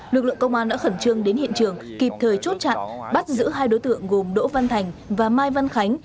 lực lượng công an đã khẩn trương đến hiện trường kịp thời chốt chặn bắt giữ hai đối tượng gồm đỗ văn thành và mai văn khánh